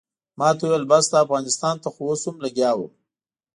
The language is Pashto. ماته یې وویل بس ده افغانستان ته خو اوس هم لګیا وم.